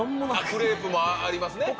クレープもありますね。